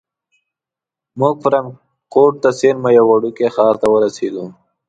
موټر فرانکفورت ته څیرمه یوه وړوکي ښار ته ورسید.